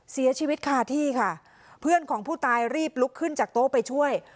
เสียชีวิตคาที่ค่ะเพื่อนของผู้ตายรีบลุกขึ้นจากโต๊ะไปช่วย